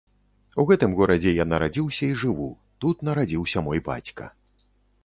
У гэтым горадзе я нарадзіўся і жыву, тут нарадзіўся мой бацька.